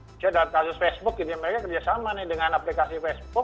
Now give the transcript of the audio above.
misalnya dalam kasus facebook gitu mereka kerjasama nih dengan aplikasi facebook